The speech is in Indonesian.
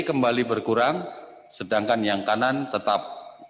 kembali berkurang sedangkan yang kanan tetap